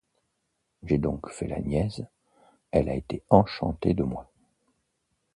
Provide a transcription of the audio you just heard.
J’ai donc fait la niaise, elle a été enchantée de moi.